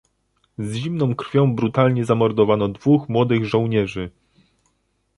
z zimną krwią brutalnie zamordowano dwóch młodych żołnierzy